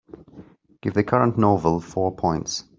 Give the current novel four points.